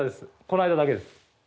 この間だけです。